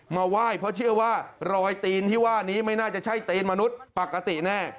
มาไหว้เพราะเชื่อว่ารอยตีนที่ว่านี้ไม่น่าจะใช่ตีนมนุษย์ปกติแน่